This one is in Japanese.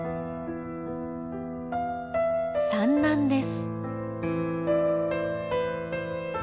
産卵です。